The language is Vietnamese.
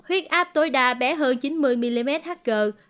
huyết áp tối đa bé hơn chín mươi mmhg